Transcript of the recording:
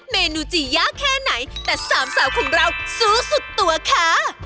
เมนูจะยากแค่ไหนแต่สามสาวของเราสู้สุดตัวค่ะ